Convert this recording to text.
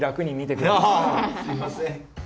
あすいません。